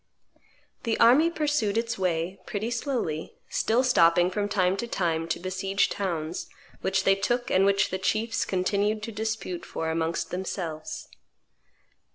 The army pursued its way, pretty slowly, still stopping from time to time to besiege towns, which they took and which the chiefs continued to dispute for amongst themselves.